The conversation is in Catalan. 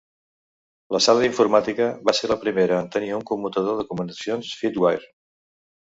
La sala d'informàtica va ser la primera en tenir un commutador de comunicacions Fedwire.